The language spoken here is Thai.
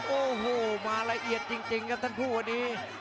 โอ้โหมาละเอียดจริงครับทั้งคู่วันนี้